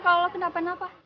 kalau lo kena apa apa